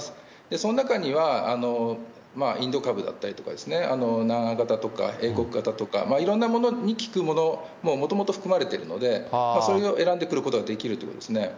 その中には、インド株だったり、南ア型とか、英国型とか、いろんなものに効くものももともと含まれているので、それを選んでくるということができるわけですね。